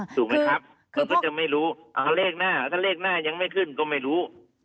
ถูกไหมครับเขาก็จะไม่รู้เลขหน้าถ้าเลขหน้ายังไม่ขึ้นก็ไม่รู้